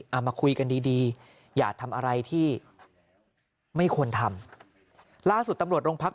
มาคุยกันดีดีอย่าทำอะไรที่ไม่ควรทำล่าสุดตำรวจโรงพัก